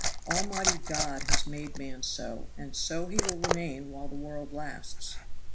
Almighty God has made man so, and so he will remain while the world lasts.